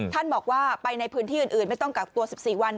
บอกว่าไปในพื้นที่อื่นไม่ต้องกักตัว๑๔วัน